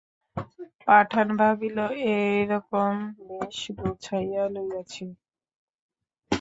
পাঠান ভাবিল একরকম বেশ গুছাইয়া লইয়াছি।